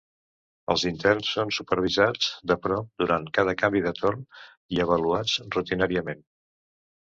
Els interns són supervisats de prop durant cada canvi de torn i avaluats rutinàriament.